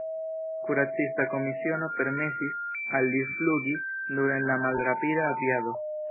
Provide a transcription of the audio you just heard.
Kuracista komisiono permesis al li flugi nur en la malrapida aviado.